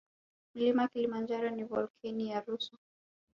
Mlima kilimanjaro ni volkeno ya rusu